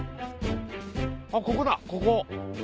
あっここだここ。